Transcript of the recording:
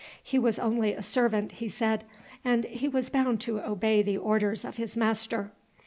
He was only a servant, he said, and he was bound to obey the orders of his master.